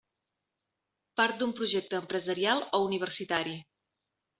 Part d'un projecte empresarial o universitari.